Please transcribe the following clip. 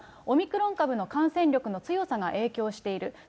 オミクロン株の感染力の強さが影響している。